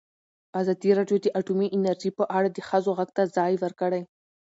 ازادي راډیو د اټومي انرژي په اړه د ښځو غږ ته ځای ورکړی.